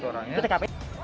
satu orang ya